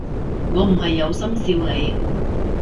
我唔係有心笑你